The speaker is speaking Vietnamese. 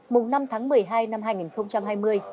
mùng năm tháng một mươi hai năm hai nghìn hai mươi